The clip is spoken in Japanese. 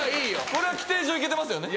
これは規定上行けてますよね。